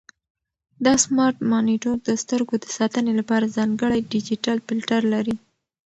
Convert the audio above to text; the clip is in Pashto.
دا سمارټ مانیټور د سترګو د ساتنې لپاره ځانګړی ډیجیټل فلټر لري.